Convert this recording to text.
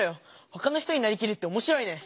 ほかの人になりきるっておもしろいね！